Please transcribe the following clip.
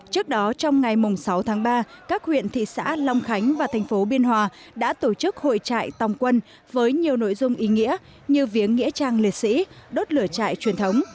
trước đó trong ngày sáu tháng ba các huyện thị xã long khánh và thành phố biên hòa đã tổ chức hội trại tòng quân với nhiều nội dung ý nghĩa như viếng nghĩa trang liệt sĩ đốt lửa trại truyền thống